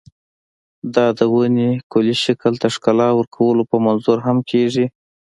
دا د ونې کلي شکل ته ښکلا ورکولو په منظور هم کېږي.